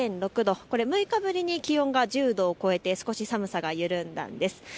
これ、６日ぶりに気温が１０度を超えて少し寒さが緩んだんです。